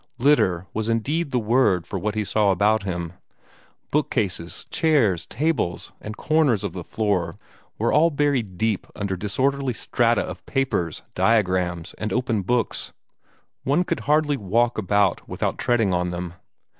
Litter was indeed the word for what he saw about him. Bookcases, chairs, tables, the corners of the floor, were all buried deep under disorderly strata of papers, diagrams, and opened books. One could hardly walk about without treading on them.